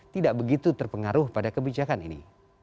tidak begitu terpengaruh pada kebijakan ini